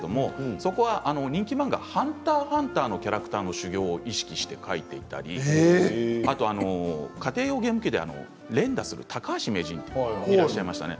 そこは人気漫画「ＨＵＮＴＥＲ×ＨＵＮＴＥＲ」のキャラクターの修行を意識して書いていたりあとは家庭用ゲーム機で連打する高橋名人がいらっしゃいましたね。